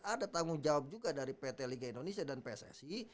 ada tanggung jawab juga dari pt liga indonesia dan pssi